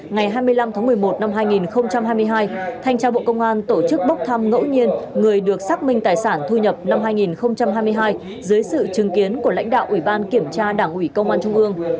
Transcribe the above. ngày hai mươi năm tháng một mươi một năm hai nghìn hai mươi hai thanh tra bộ công an tổ chức bốc thăm ngẫu nhiên người được xác minh tài sản thu nhập năm hai nghìn hai mươi hai dưới sự chứng kiến của lãnh đạo ủy ban kiểm tra đảng ủy công an trung ương